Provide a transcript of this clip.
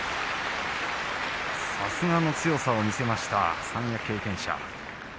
さすがの強さを見せました三役経験者。